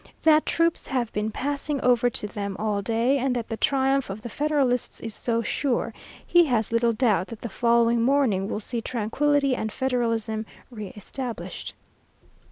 That troops have been passing over to them all day, and that the triumph of the federalists is so sure, he has little doubt that the following morning will see tranquillity and federalism re established.